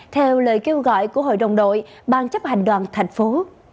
theo lời kêu gọi của hội đồng đội ban chấp hành đoàn thành phố